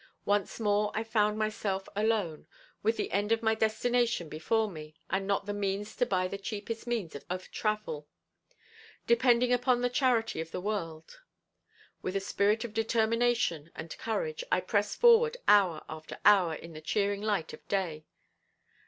Once more I found myself alone, with the end of my destination before me and not the means to buy the cheapest means of travel; depending upon the charity of the world. With a spirit of determination and courage I pressed forward hour after hour in the cheering light of day.